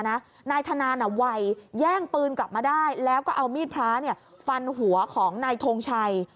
นายธนาไวแย่งปืนกลับมาได้แล้วก็เอามีดพระฟันหัวของนายทงชัย